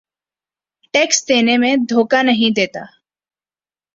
tax دینے میں دھوکہ نہیں دیتا